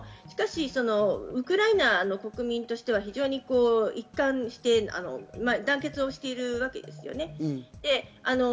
しかしウクライナの国民としては非常に一貫して団結をしているわけです。